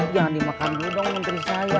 jangan dimakan dulu dong menteri saya